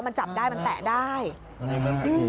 มันจับได้มันแตะได้